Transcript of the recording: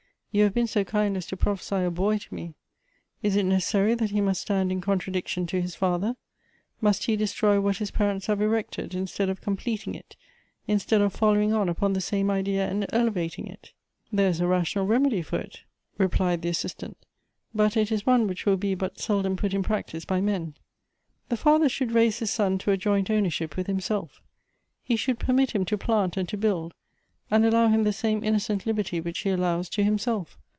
You have been so kind as to prophesy a boy to me. Is it necessary that he must stand in contradiction to his father ? Must he destroy what his parents have erected, instead of completing it, instead of following on upon the same idea, and elevating it ?" There is a rational remedy for it," replied the Assist Elective Affinities. 231 ant. " But it is one which will be but seldom put in practice by men. The father should raise his son to a joint ownership with himself. He should pei mit him to plant and to build; and allow him the same innocent liberty which he allows to himself.